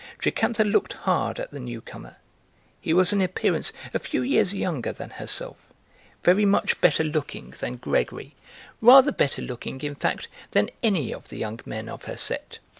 Jocantha looked hard at the new comer; he was in appearance a few years younger than herself, very much better looking than Gregory, rather better looking, in fact, than any of the young men of her set.